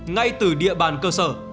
ngay từ địa bàn cơ sở